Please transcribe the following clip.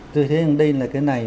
tôi thấy rằng đây là cái này